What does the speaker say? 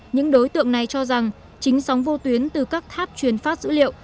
những đối tượng này cho rằng chính sóng vô tuyến từ các tháp truyền phát dữ liệu